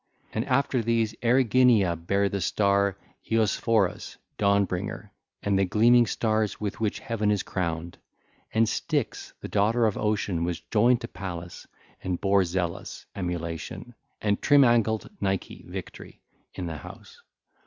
And after these Erigenia 1616 bare the star Eosphorus (Dawn bringer), and the gleaming stars with which heaven is crowned. (ll. 383 403) And Styx the daughter of Ocean was joined to Pallas and bare Zelus (Emulation) and trim ankled Nike (Victory) in the house.